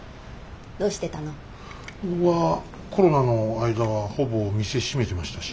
どうしてたの？はコロナの間はほぼ店閉めてましたし。